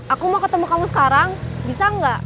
aku mau ketemu kamu sekarang bisa nggak